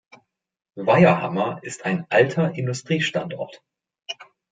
Weiherhammer ist ein alter Industriestandort.